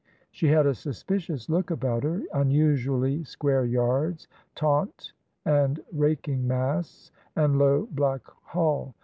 She had a suspicious look about her, unusually square yards, taunt and raking masts, and low black hull.